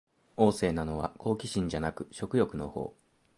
旺盛なのは好奇心じゃなく食欲のほう